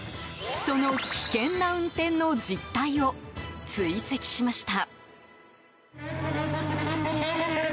その危険な運転の実態を追跡しました。